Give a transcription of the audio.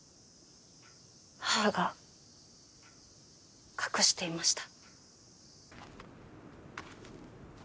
母が隠していました。